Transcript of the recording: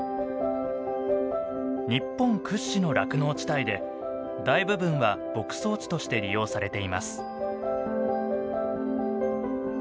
日本屈指の酪農地帯で大部分は牧草地として利用されています。